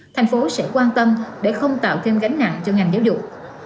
thành phố sẽ quan tâm để không tạo thêm gánh nặng cho ngành giáo dục